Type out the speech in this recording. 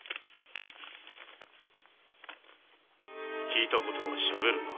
「聞いた事はしゃべるな。